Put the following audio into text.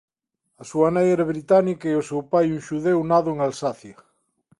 A súa nai era británica e o seu pai un xudeu nado en Alsacia.